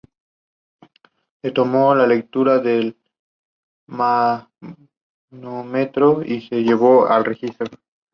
Barbara was a "longtime volunteer" at Saint Joseph Mercy Oakland Hospital, Pontiac, Michigan.